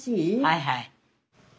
はいはい。